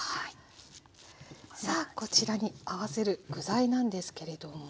さあこちらに合わせる具材なんですけれども。